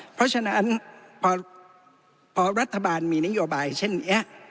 เพราะฉะนั้นพอรัฐบาลมีนโยบายเช่นนี้